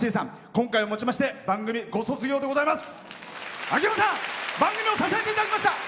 今回をもちまして番組ご卒業でございます。